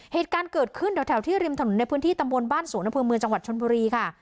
เหตุการณ์เกิดขึ้นแถวที่ริมถนนในพื้นที่ตำบลบ้านสวนอำเภอเมืองจังหวัดชนบุรีค่ะ